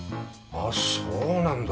あそうなんだ。